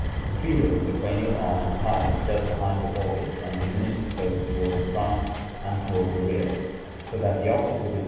In Felis the cranial arch is highest just behind the orbits and diminishes both toward the front and toward the rear, so that the occiput is comparatively low.